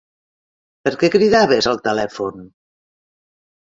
Per què cridaves, al telèfon?